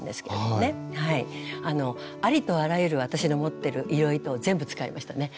ありとあらゆる私の持ってる色糸を全部使いましたね。